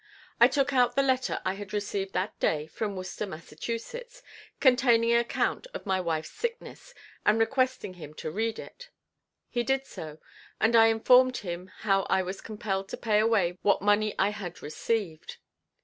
I took out the letter I had received that day from Worcester, Mass., containing an account of my wife's sickness, and requesting him to read it. He did so, and I informed him how I was compelled to pay away what money I had received.